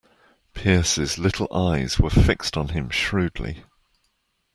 Pearce's little eyes were fixed on him shrewdly.